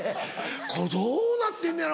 これどうなってんのやろ？